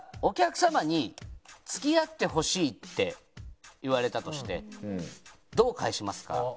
お客様に「付き合ってほしい」って言われたとしてどう返しますか？